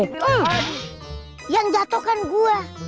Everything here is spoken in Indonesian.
eh yang jatoh kan gua